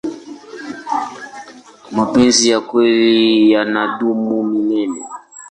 mapenzi ya kweli yanadumu milele